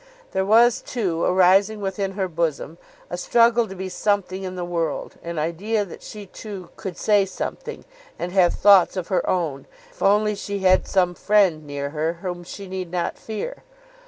There was, too, arising within her bosom a struggle to be something in the world, an idea that she, too, could say something, and have thoughts of her own, if only she had some friend near her whom she need not fear.